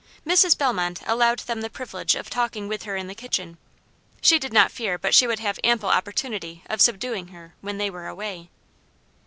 Mrs. Bellmont allowed them the privilege of talking with her in the kitchen. She did not fear but she should have ample opportunity of subduing her when they were away.